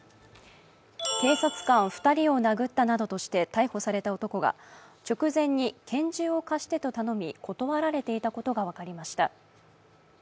警察官２人を殴ったなどとして逮捕された男が直線に拳銃を貸してと頼み、断られていたことが分かりました。